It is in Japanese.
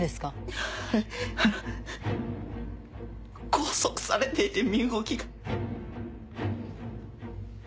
拘束されていて身動きが。